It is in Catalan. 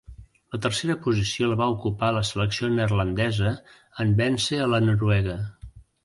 La tercera posició la va ocupar la selecció neerlandesa en véncer a la noruega.